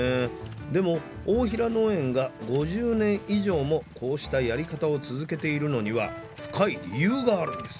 でも大平農園が５０年以上もこうしたやり方を続けているのには深い理由があるんです。